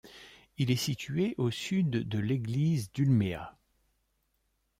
Il est situé au sud de l'église d'Umeå.